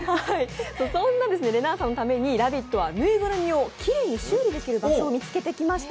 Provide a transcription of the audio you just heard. そんな、れなぁさんのために「ラヴィット！」は縫いぐるみをきれいに修理できる場所を見つけてきました。